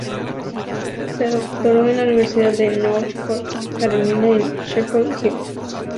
Se doctoró en la Universidad de North Carolina en Chapel Hill.